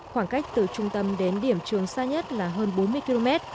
khoảng cách từ trung tâm đến điểm trường xa nhất là hơn bốn mươi km